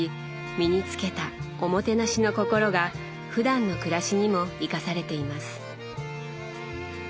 身に付けた「おもてなし」の心がふだんの暮らしにも生かされています。